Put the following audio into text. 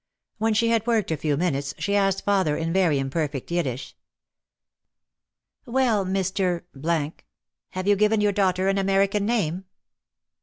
When she had worked a few minutes she asked father in very imperfect Yiddish : "Well, Mr. , have you given your daughter an American name?"